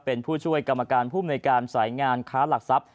เป็นผู้ช่วยกรรมการผู้มนุยการสายงานค้าหลักทรัพย